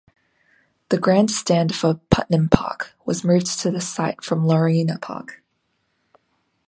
The grandstand for Putnam Park was moved to this site from Lorena Park.